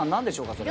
それ。